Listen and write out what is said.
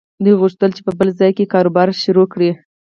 دوی غوښتل چې په بل ځای کې کاروبار پيل کړي.